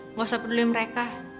nggak usah peduliin mereka